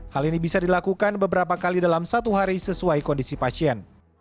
hal ini bisa dilakukan beberapa kali dalam satu hari sesuai kondisi pasien